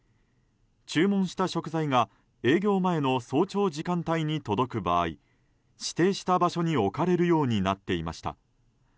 注文した食材が営業前の早朝時間帯に届く場合指定した場所に置かれるようになっていました。